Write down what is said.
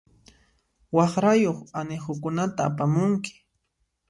Waqrayuq anihukunata apamunki.